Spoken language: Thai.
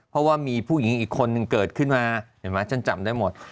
เพราะว่ามีผู้หญิงอีกคนนึงเกิดขึ้นมาเห็นไหมฉันจำได้หมด